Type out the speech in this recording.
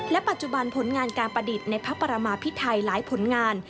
ปัจจุบันผลงานการประดิษฐ์ในพระปรมาพิไทยหลายผลงาน